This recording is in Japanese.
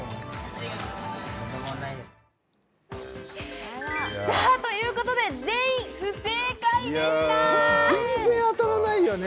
ありがとうございますあらということで全員不正解でした全然当たらないよね